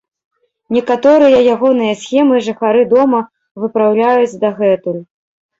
Некаторыя ягоныя схемы жыхары дома выпраўляюць дагэтуль.